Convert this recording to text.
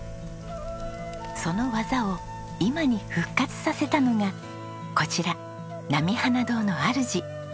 その技を今に復活させたのがこちら波花堂のあるじ。